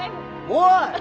おい！